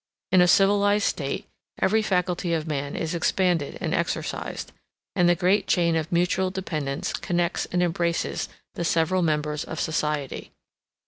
In a civilized state every faculty of man is expanded and exercised; and the great chain of mutual dependence connects and embraces the several members of society.